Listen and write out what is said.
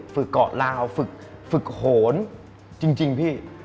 ฝึกเกาะลาวฝึกโหนจริงพี่